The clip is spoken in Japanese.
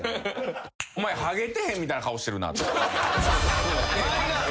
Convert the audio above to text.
「お前ハゲてへんみたいな顔してるな」とか。